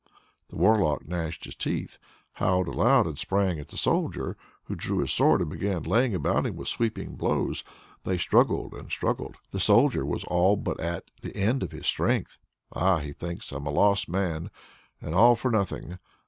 The Warlock gnashed his teeth, howled aloud, and sprang at the Soldier who drew his sword and began laying about him with sweeping blows. They struggled and struggled; the Soldier was all but at the end of his strength. "Ah!" thinks he, "I'm a lost man and all for nothing!"